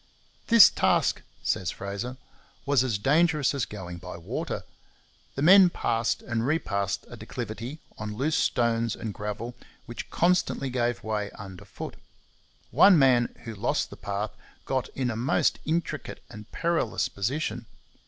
This task [says Fraser] was as dangerous as going by water. The men passed and repassed a declivity, on loose stones and gravel, which constantly gave way under foot. One man, who lost the path, got in a most intricate and perilous position.